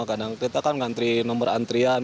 lebih lama karena kita kan ngantri nomor antrian